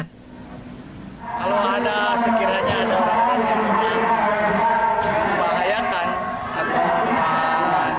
kalau ada sekiranya ada orang orang yang lebih membahayakan atau memulakan